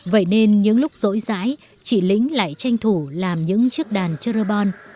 vậy nên những lúc rỗi rãi chị lính lại tranh thủ làm những chiếc đàn cherubon